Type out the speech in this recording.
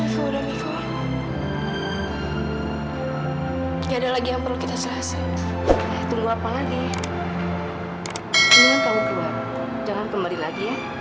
tidak lagi yang perlu kita selesaikan tunggu apangannya jangan kembali lagi ya